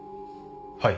はい。